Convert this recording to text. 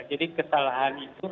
jadi kesalahan itu